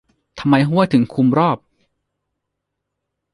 ทำไมห้วยถึงคลุมรอบ ?